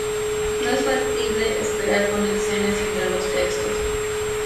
No es factible esperar conexiones entre los textos.